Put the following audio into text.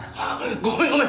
ごめんごめん。